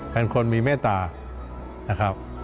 เป็นคนมีเมตตา